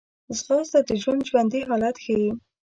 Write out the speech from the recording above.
ځغاسته د ژوند ژوندي حالت ښيي